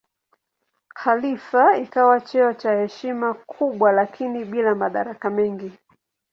Khalifa ikawa cheo cha heshima kubwa lakini bila madaraka mengi.